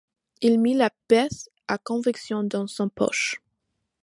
Il mit la pièce à conviction dans sa poche.